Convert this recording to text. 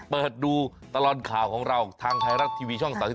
เปิดดูตลอดข่าวของเราทางไทยรัฐทีวีช่อง๓๒